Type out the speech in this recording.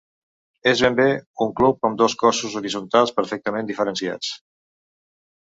És ben bé un cub amb dos cossos horitzontals perfectament diferenciats.